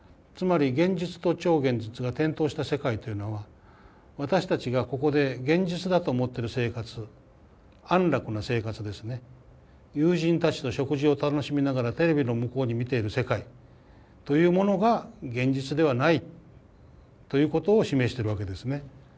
つまり現実と超現実が転倒した世界というのは私たちがここで現実だと思ってる生活安楽な生活ですね友人たちと食事を楽しみながらテレビの向こうに見ている世界というものが現実ではないということを示してるわけですね。